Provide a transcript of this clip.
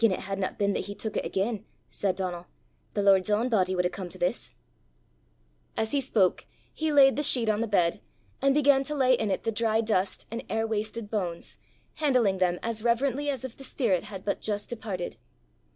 "Gien it hadna been that he tuik it again," said Donal, "the Lord's ain body wad hae come to this." As he spoke he laid the sheet on the bed, and began to lay in it the dry dust and air wasted bones, handling them as reverently as if the spirit had but just departed.